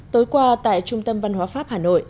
tối qua tại trung tâm văn hóa pháp hà nội